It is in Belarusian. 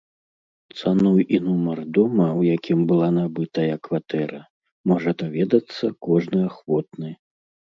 Цану і нумар дома, у якім была набытая кватэра, можа даведацца кожны ахвотны.